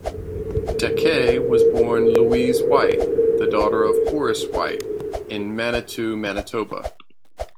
Dacquay was born Louise White, the daughter of Horace White, in Manitou, Manitoba.